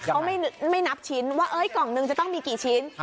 เขาไม่นับชิ้นว่ากล่องนึงจะต้องมีกี่ชิ้น